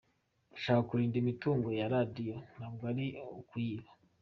Ndashaka kurinda imitungo ya Radio ntabwo ari ukuyiba.